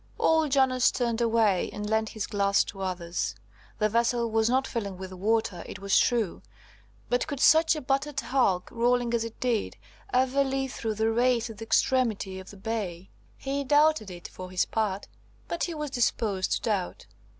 Old Jonas turned away, and lent his glass to others. The vessel was not filling with water, it was true, but could such a battered hulk, rolling as it did, ever live through the "race" at the extremity of the bay? He doubted it, for his part–but he was disposed to doubt!